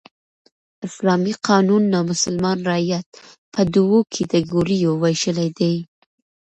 اسلامي قانون نامسلمان رعیت په دوو کېټه ګوریو ویشلى دئ.